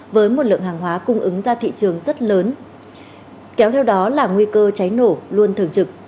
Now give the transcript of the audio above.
với một lượng hàng hóa cung ứng ra thị trường rất lớn kéo theo đó là nguy cơ cháy nổ luôn thường trực